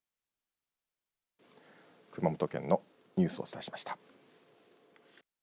熊本県のニュースをお伝えしました。